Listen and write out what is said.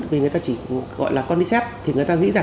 vì người ta chỉ gọi là codisepine